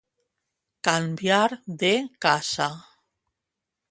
Canviar de casa.